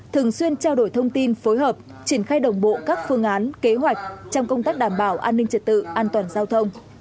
thường xuyên trao đổi thông tin phối hợp triển khai đồng bộ các phương án kế hoạch trong công tác đảm bảo an ninh trật tự an toàn giao thông